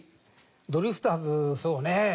ドリフターズそうね